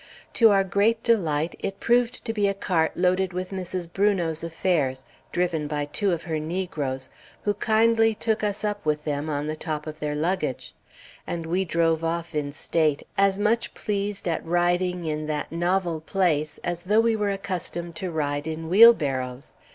To our great delight, it proved to be a cart loaded with Mrs. Brunot's affairs, driven by two of her negroes, who kindly took us up with them, on the top of their luggage; and we drove off in state, as much pleased at riding in that novel place as though we were accustomed to ride in wheelbarrows.